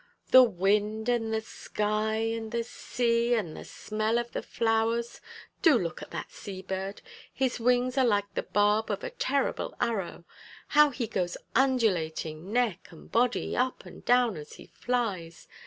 The wind, and the sky, and the sea, and the smell of the flowers. Do look at that sea bird. His wings are like the barb of a terrible arrow. How he goes undulating, neck and body, up and down as he flies.